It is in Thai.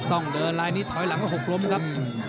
ต้องเดินลายนี้ถอยหลังอย่างที่๖กลมครับ